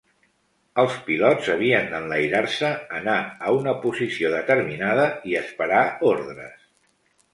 Els pilots havien d'enlairar-se, anar a una posició determinada i esperar ordres.